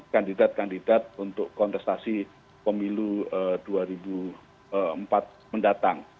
kandidat kandidat untuk kontestasi pemilu dua ribu empat mendatang